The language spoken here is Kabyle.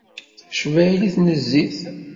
Tacbaylit n zzit.